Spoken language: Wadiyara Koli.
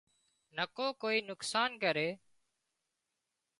نڪو ڪوئي نقصان ڪري